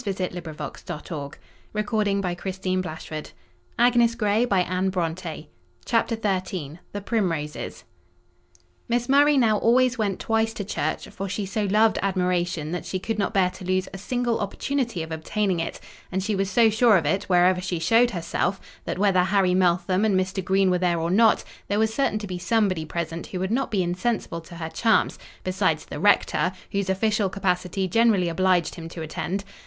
But she soon betook herself to the stables, and left me to the quiet enjoyment of my solitary meal. CHAPTER XIII. THE PRIMROSES Miss Murray now always went twice to church, for she so loved admiration that she could not bear to lose a single opportunity of obtaining it; and she was so sure of it wherever she showed herself, that, whether Harry Meltham and Mr. Green were there or not, there was certain to be somebody present who would not be insensible to her charms, besides the Rector, whose official capacity generally obliged him to attend.